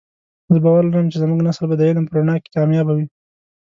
زه باور لرم چې زمونږ نسل به د علم په رڼا کې کامیابه وی